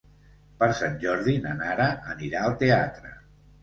Per Sant Jordi na Nara anirà al teatre.